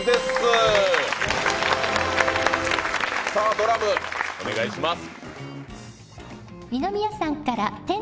ドラム、お願いします。